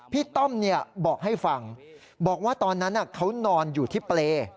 ต้อมบอกให้ฟังบอกว่าตอนนั้นเขานอนอยู่ที่เปรย์